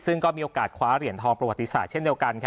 ซึ่งก็มีโอกาสคว้าเหรียญทองประวัติศาสตร์เช่นเดียวกัน